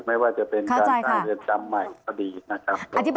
ไม่ว่าจะเป็นการท่ายเรียนซ้ำใหม่อธิบดีนะครับ